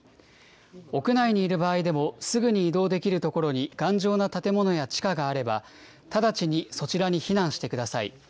屋内にいる場合でも、すぐに移動できる所に頑丈な建物や地下があれば、直ちにそちらに避難してください。